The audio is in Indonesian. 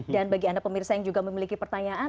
dan bagi anda pemirsa yang juga memiliki pertanyaan